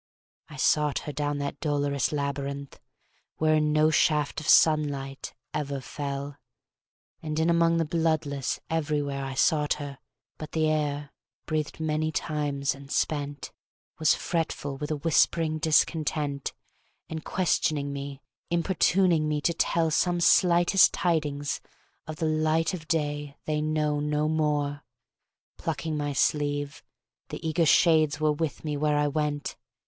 I sought her down that dolorous labyrinth, Wherein no shaft of sunlight ever fell, And in among the bloodless everywhere I sought her, but the air, Breathed many times and spent, Was fretful with a whispering discontent, And questioning me, importuning me to tell Some slightest tidings of the light of day they know no more, Plucking my sleeve, the eager shades were with me where I went.